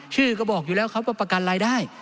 ชื่อก็บอกอยู่แล้วครับว่าประกันรายได้